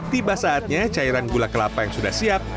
tiba saatnya cairan gula kelapa yang sudah siap